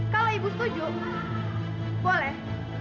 kalau ibu setuju boleh